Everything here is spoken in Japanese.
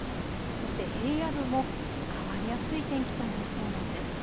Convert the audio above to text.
そして平野部も変わりやすい天気となりそうなんです。